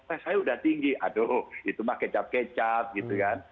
eh saya udah tinggi aduh itu mah kecap kecap gitu kan